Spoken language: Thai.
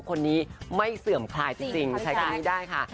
คนนี้ไม่เสื่อมคลายจริงใช้คำนี้ได้ค่ะ